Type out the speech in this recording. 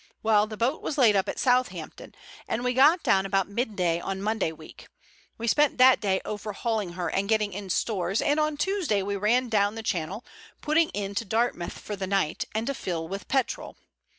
Well, the boat was laid up at Southampton, and we got down about midday on Monday week. We spent that day overhauling her and getting in stores, and on Tuesday we ran down Channel, putting into Dartmouth for the night and to fill with petrol.